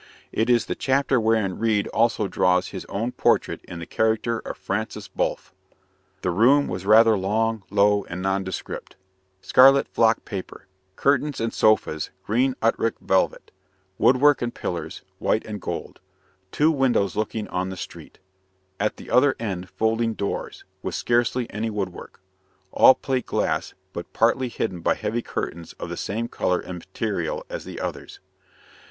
It is the chapter wherein Reade also draws his own portrait in the character of Francis Bolfe: The room was rather long, low, and nondescript; scarlet flock paper; curtains and sofas, green Utrecht velvet; woodwork and pillars, white and gold; two windows looking on the street; at the other end folding doors, with scarcely any woodwork, all plate glass, but partly hidden by heavy curtains of the same color and material as the others.